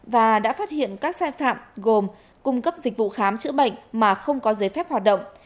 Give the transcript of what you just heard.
và đã phát hiện các sai phạm gồm cung cấp dịch vụ khám chữa bệnh mà không có giấy phép hoạt động